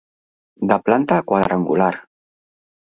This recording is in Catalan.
De planta quadrangular.